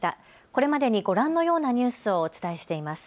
これまでにご覧のようなニュースをお伝えしています。